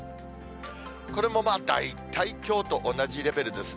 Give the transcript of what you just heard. これもまあ大体きょうと同じレベルですね。